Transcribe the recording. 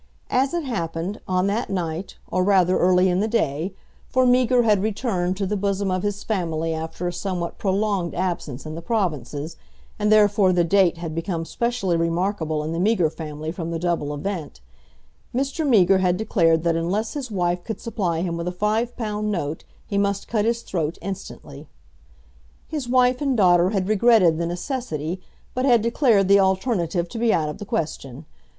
As it happened, on that night, or rather early in the day, for Meager had returned to the bosom of his family after a somewhat prolonged absence in the provinces, and therefore the date had become specially remarkable in the Meager family from the double event, Mr. Meager had declared that unless his wife could supply him with a five pound note he must cut his throat instantly. His wife and daughter had regretted the necessity, but had declared the alternative to be out of the question.